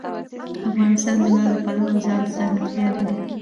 افغانستان د لعل د پلوه ځانته ځانګړتیا لري.